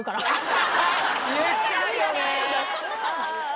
言っちゃうよね。